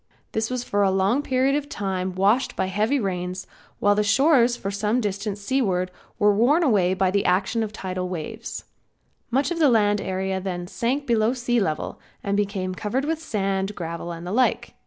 This was for a long period of time washed by heavy rains while the shores for some distance seaward were worn away by action of the tidal waves. Much of the land area then sank below sea level, and became covered with sand, gravel and the like.